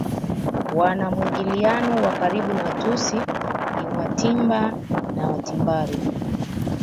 Wana mwingiliano wa karibu na Watutsi ni Watimba na Watimbaru